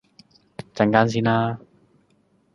陣間先啦